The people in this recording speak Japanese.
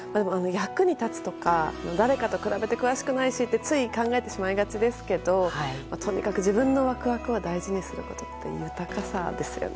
役に立つとか誰かと比べて詳しくないしとつい考えてしまいがちですがとにかく自分のワクワクは大事にすることって豊かさですよね。